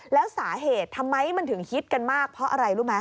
แล้วสาเหตุทำไมมันถึงฮิตกันมากเพราะอะไรรู้ไหม